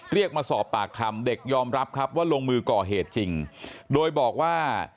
เรียกมาสอบปากคำเด็กยอมรับครับว่าลงมือก่อเหตุจริงโดยบอกว่า